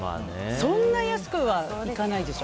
そんなに安くはいかないでしょ。